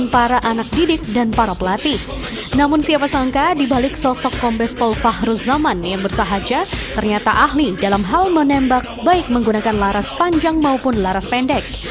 fahruzaman yang bersahaja ternyata ahli dalam hal menembak baik menggunakan laras panjang maupun laras pendek